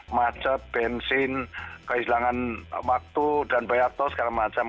macet bensin kehilangan waktu dan bayar tol segala macam